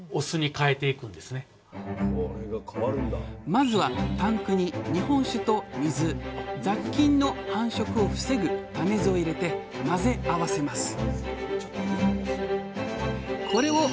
まずはタンクに日本酒と水雑菌の繁殖を防ぐ種酢を入れて混ぜ合わせます。